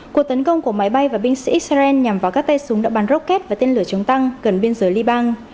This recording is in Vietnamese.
cuộc tấn công của máy bay và binh sĩ israel nhằm vào các tay súng đã bắn rocket và tên lửa chống tăng gần biên giới liban